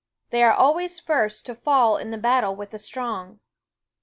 They are always first to fall in the battle with the strong.